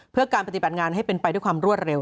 เพื่อการปฏิบัติงานให้เป็นไปด้วยความรวดเร็ว